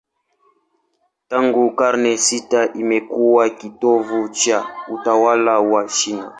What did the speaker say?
Tangu karne sita imekuwa kitovu cha utawala wa China.